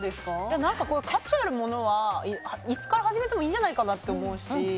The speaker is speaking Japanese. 価値あるものはいつから始めてもいいんじゃないかって思うし。